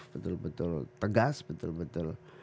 betul betul tegas betul betul